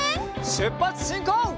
しゅっぱつしんこう！